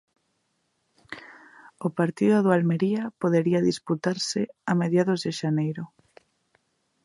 O partido do Almería podería disputarse a mediados de xaneiro.